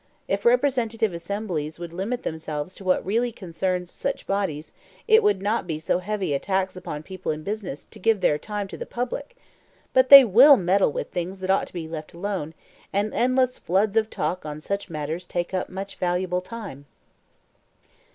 If representative assemblies would limit themselves to what really concerns such bodies, it would not be so heavy a tax upon people in business to give their time to the public; but they will meddle with things that ought to be let alone, and endless floods of talk on such matters take up much valuable time."